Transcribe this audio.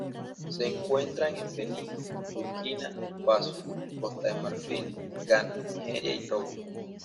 Se encuentran en Benín, Burkina Faso, Costa de Marfil, Ghana, Nigeria y Togo.